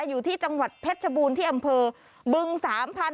อยู่ที่จังหวัดเพชรชบูรณ์ที่อำเภอบึงสามพันธ